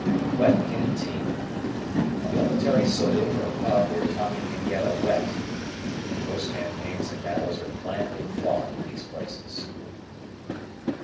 Wet Canteen. A military saloon or pub where Tommy can get a "wet," Most campaigns and battles are planned and fought in these places.